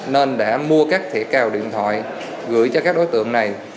nên đã mua các thẻ cào điện thoại gửi cho các đối tượng này